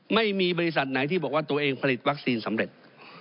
ไม่มีบริษัทไหนที่บอกว่าตัวเองผลิตวัคซีนสำเร็จ